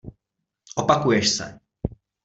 Opakuješ se.